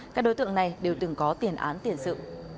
các đối tượng này đều từng có tiền án tiền sự